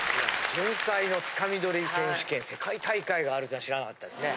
じゅんさいのつかみ採り選手権世界大会があるとは知らなかったですね。